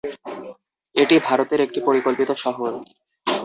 এটি ভারতের একটি পরিকল্পিত শহর।